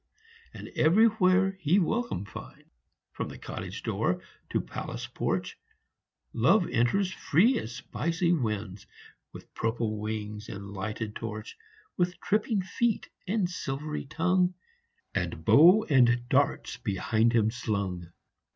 And everywhere he welcome finds, From cottage door to palace porch Love enters free as spicy winds, With purple wings and lighted torch, With tripping feet and silvery tongue, And bow and darts behind him slung.